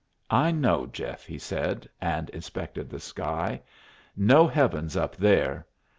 "I know, Jeff," he said, and inspected the sky. "No heaven's up there.